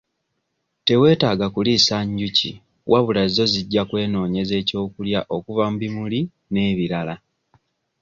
Teweetaaga kuliisa njuki wabula zo zijja kwenoonyeza ekyokulya okuva mu bimuli n'ebirala.